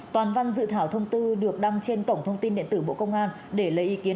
toàn văn dự thảo thông tư được đăng trên cổng thông tin điện tử bộ công an để lấy ý kiến